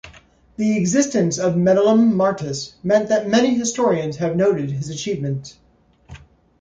The existence of "Metallum Martis" meant that many historians have noted his achievements.